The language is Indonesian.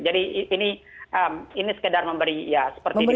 jadi ini sekedar memberi seperti dibilang tadi